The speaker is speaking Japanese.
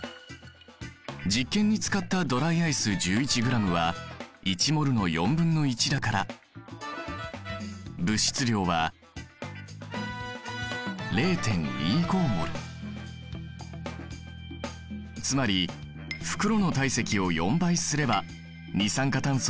実験に使ったドライアイス１１ｇは１ｍｏｌの４分の１だから物質量はつまり袋の体積を４倍すれば二酸化炭素